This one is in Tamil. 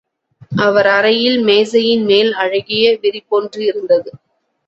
அவர் அறையில் மேசையின் மேல் அழகிய விரிப்பொன்று இருந்தது.